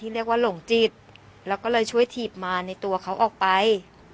แล้วก็เลยช่วยถีบมารในตัวเขาออกไป